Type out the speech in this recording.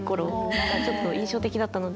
何かちょっと印象的だったので。